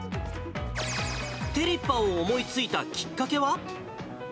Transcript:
テリッパを思いついたきっかけは？